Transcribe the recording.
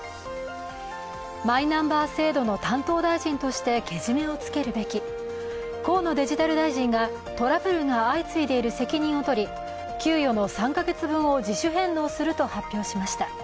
マイナンバー制度の担当大臣としてけじめをつけるべき、河野デジタル大臣がトラブルが相次いでいる責任をとり給与の３か月分を自主返納すると発表しました。